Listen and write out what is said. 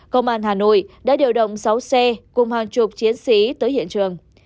công an hà nội đã điều động sáu xe cùng hàng chục chiến sĩ tới hiện trường